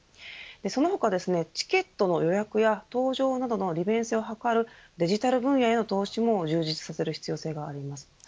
その他、チケットの予約や搭乗などの利便性を図るデジタル分野への投資も充実させる必要性があります。